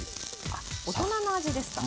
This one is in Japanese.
あ大人の味ですか。